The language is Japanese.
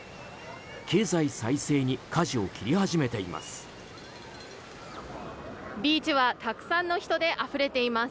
経済再生にかじを切り始めています。